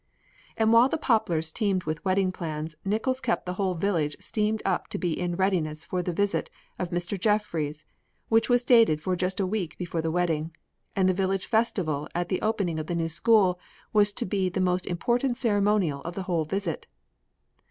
And while the Poplars teemed with wedding plans Nickols kept the whole village steamed up to be in readiness for the visit of Mr. Jeffries, which was dated for just a week before the wedding, and the village festival at the opening of the new school was to be the most important ceremonial of the whole visit.